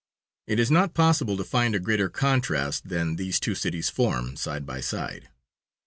It is not possible to find a greater contrast than these two cities form, side by side.